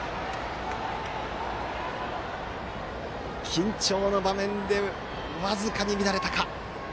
緊張の場面で僅かに乱れたか。